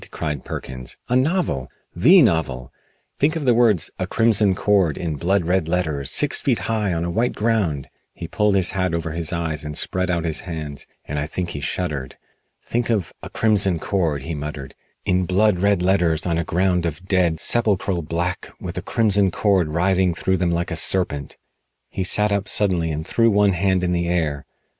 cried Perkins. "A novel! The novel! Think of the words 'A Crimson Cord' in blood red letters six feet high on a white ground!" He pulled his hat over his eyes and spread out his hands, and I think he shuddered. "Think of 'A Crimson Cord,'" he muttered, "in blood red letters on a ground of dead, sepulchral black, with a crimson cord writhing through them like a serpent." He sat up suddenly and threw one hand in the air.